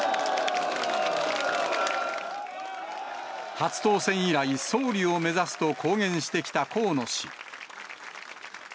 初当選以来、総理を目指すと公言してきた河野氏。